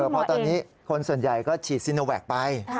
เพราะตอนนี้คนส่วนใหญ่ก็ฉีดซิโนแวคไป